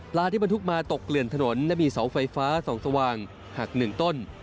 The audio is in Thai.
ที่บรรทุกมาตกเกลื่อนถนนและมีเสาไฟฟ้าส่องสว่างหัก๑ต้น